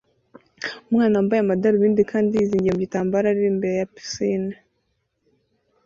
Umwana wambaye amadarubindi kandi yizingiye mu gitambaro arira imbere ya pisine